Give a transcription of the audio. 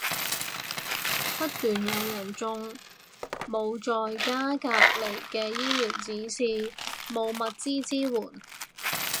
不斷有人中，冇在家隔離嘅醫療指示，冇物資支援